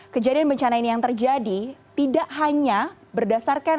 kejadian bencana ini yang terjadi tidak hanya berdasarkan